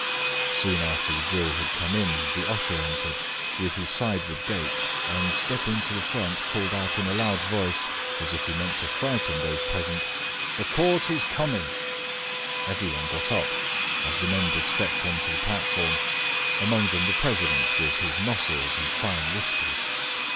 Soon after the jury had come in the usher entered, with his sideward gait, and stepping to the front, called out in a loud voice, as if he meant to frighten those present, "The Court is coming!" Every one got up as the members stepped on to the platform. Among them the president, with his muscles and fine whiskers.